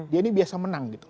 dia ini biasa menang